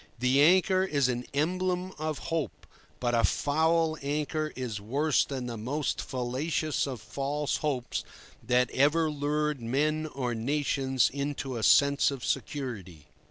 The anchor is an emblem of hope, but a foul anchor is worse than the most fallacious of false hopes that ever lured men or nations into a sense of security.